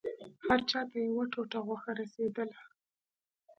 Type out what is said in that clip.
هر چا ته يوه ټوټه غوښه رسېدله.